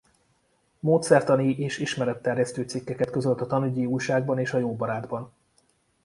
Módszertani és ismeretterjesztő cikkeket közölt a Tanügyi Újságban és a Jóbarátban.